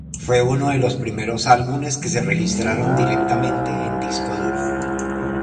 Fue uno de los primeros álbumes que se registraron directamente en disco duro.